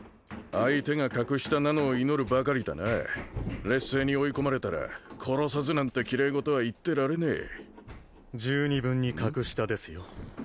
相手が格下なのを祈るばかりだな劣勢に追い込まれたら殺さずなんてキレイごとは言ってられねえ十二分に格下ですよ